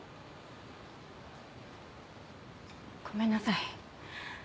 ごめんなさい。